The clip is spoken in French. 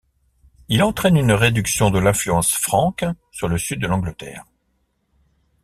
Il entraîne une réduction de l'influence franque sur le sud de l'Angleterre.